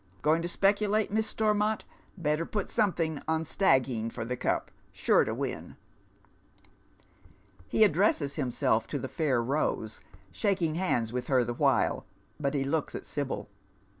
Going to speculate, Miss Stormont ? Better put somedung on Stagheen for the Cup. Sure to win.'"' He addresses himself to the fair Eose, shaking hands with her the while, but he looks at Sibyl.